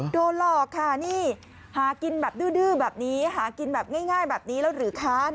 โดนหลอกค่ะนี่หากินแบบดื้อแบบนี้หากินแบบง่ายแบบนี้แล้วหรือค้าน